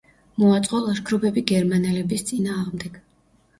მოაწყო ლაშქრობები გერმანელების წინააღმდეგ.